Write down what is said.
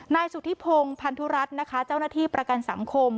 นายสุธิพงศ์พันธุรัฐนะคะเจ้าหน้าที่ประกันสังคม